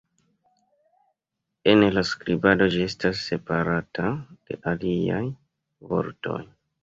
En la skribado ĝi estas separata de aliaj vortoj".